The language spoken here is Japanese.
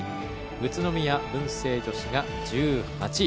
宇都宮文星女子が１８位。